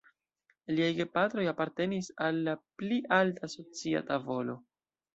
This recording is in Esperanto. Liaj gepatroj apartenis al la pli alta socia tavolo.